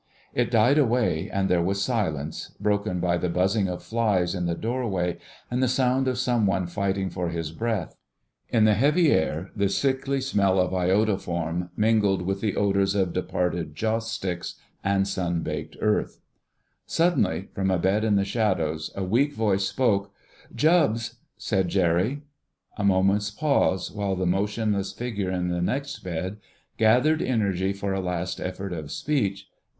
It died away, and there was silence, broken by the buzzing of flies in the doorway and the sound of some one fighting for his breath. In the heavy air the sickly smell of iodoform mingled with the odours of departed joss sticks and sun baked earth. Suddenly, from a bed in the shadows, a weak voice spoke— "Jubbs!" said Jerry. A moment's pause, while the motionless figure in the next bed gathered energy for a last effort of speech.